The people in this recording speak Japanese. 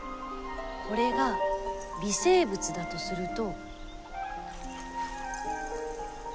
これが微生物だとすると。